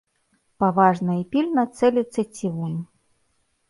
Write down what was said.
Паважна і пільна цэліцца цівун.